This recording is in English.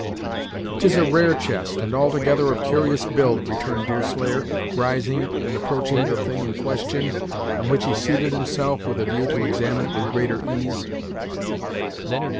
"'Tis a rare chest, and altogether of curious build," returned Deerslayer, rising and approaching the thing in question, on which he seated himself, with a view to examine it with greater ease.